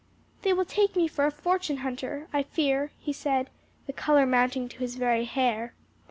"They will take me for a fortune hunter, I fear," he said, the color mounting to his very hair.